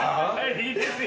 いいですよ。